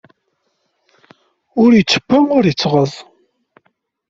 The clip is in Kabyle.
Ur ittebbi ur ittɣeẓẓ.